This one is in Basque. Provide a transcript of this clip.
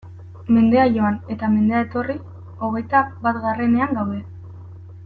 Mendea joan eta mendea etorri, hogeita batgarrenean gaude!